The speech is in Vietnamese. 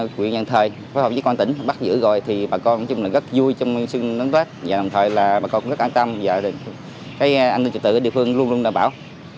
cùng các giấy tờ có liên quan đến hoạt động cưỡng đoạt tài sản của băng nhóm này